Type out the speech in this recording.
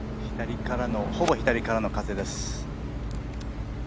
ほぼ左からの風です。